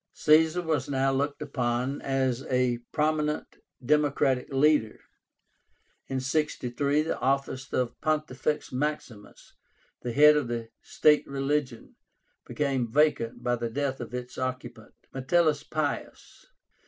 Caesar was now looked upon as a prominent democratic leader. In 63 the office of Pontifex Maximus, the head of the state religion, became vacant by the death of its occupant, Metellus Pius.